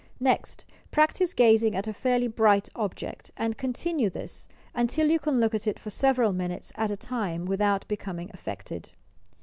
Next, prac tise gazing at a fairly bright object, and continue this until you can look at it for several minutes at a tima without becoming affected.